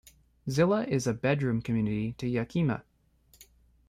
Zillah is a bedroom community to Yakima.